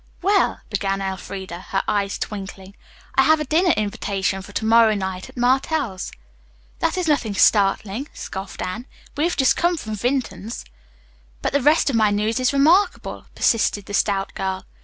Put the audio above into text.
"Well," began Elfreda, her eyes twinkling, "I have a dinner invitation for to morrow night at Martell's." "That is nothing startling," scoffed Anne. "We've just come from Vinton's." "But the rest of my news is remarkable," persisted the stout girl.